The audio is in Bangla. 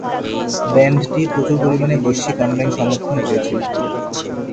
ব্যান্ডটি প্রচুর পরিমাণে বৈশ্বিক অনলাইন সমর্থন পেয়েছিল।